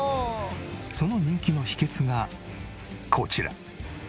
その人気の秘訣がこちら。